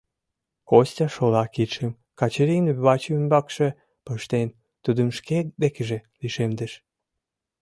— Костя шола кидшым Качырийын вачӱмбакше пыштен, тудым шке декыже лишемдыш.